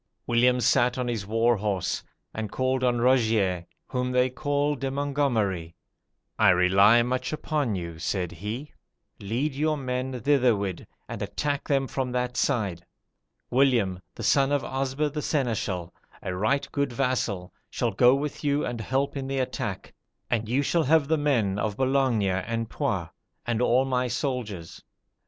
"William sat on his war horse, and called on Rogier, whom they call De Mongomeri. 'I rely much upon you,' said he: 'lead your men thitherward, and attack them from that side. William, the son of Osber the seneschal, a right good vassal, shall go with you and help in the attack, and you shall have the men of Boulogne and Poix, and all my soldiers.